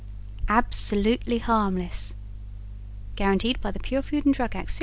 Absolutely harmless. Guaranteed by the Pure Food and Drug Act.